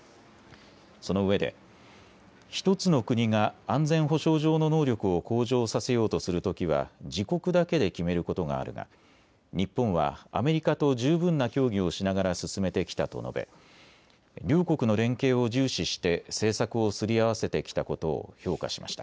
そのうえで１つの国が安全保障上の能力を向上させようとするときは自国だけで決めることがあるが日本はアメリカと十分な協議をしながら進めてきたと述べ両国の連携を重視して政策をすり合わせてきたことを評価しました。